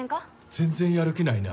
全然やる気ないねん